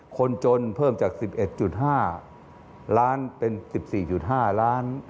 คนจนเพิ่มจาก๑๑๕ล้านเป็น๑๔๕ล้าน